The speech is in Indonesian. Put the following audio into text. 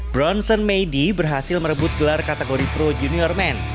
bronson maydee berhasil merebut gelar kategori pro junior men